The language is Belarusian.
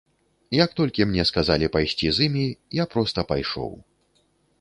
Як толькі мне сказалі пайсці з імі, я проста пайшоў.